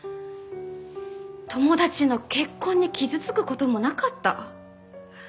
友達の結婚に傷つく事もなかった。